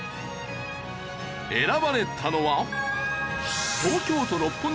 選ばれたのは。